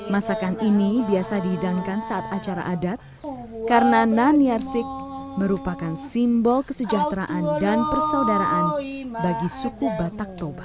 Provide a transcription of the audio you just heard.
masakan ini biasa dihidangkan saat acara adat karena nani arsik merupakan simbol kesejahteraan dan persaudaraan bagi suku batak toba